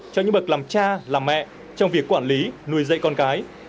cho những bậc làm cha làm mẹ trong việc quản lý nuôi dạy con cái